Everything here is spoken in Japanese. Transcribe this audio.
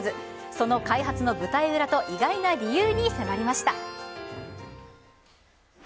その開発の舞台裏と意外な理由に迫りました。